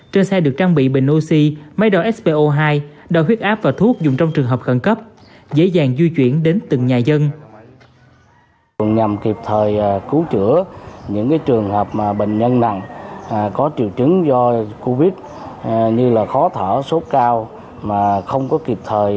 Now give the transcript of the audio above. trên xe được trang bị bình oxy máy đo spo hai đo huyết áp và thuốc dùng trong trường hợp khẩn cấp